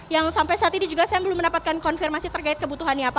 yang sampai saat ini juga saya belum mendapatkan konfirmasi terkait kebutuhannya apa